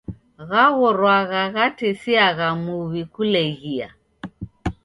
Ghaghorwagha ghatesiagha muw'I kuleghia.